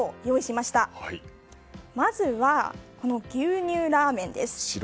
まずは、この牛乳ラーメンです。